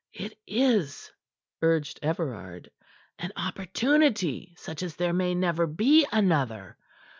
"It is," urged Everard, "an opportunity such as there may never be another.